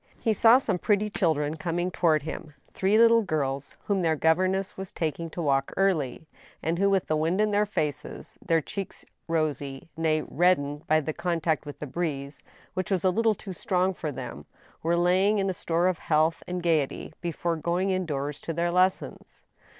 He saw some pretty chHdren coming toward him, three little girls, whom their governess was taking to walk early, and who, with the wind in their faces, their cheeks rosy — nay, reddened — ^by contact with the breeze, which was a little too strong for them, were laying in a store of health and gayety, before going indoors to their lessons.